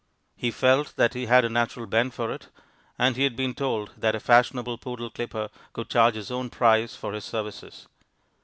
He felt that he had a natural bent for it, and he had been told that a fashionable poodle clipper could charge his own price for his services.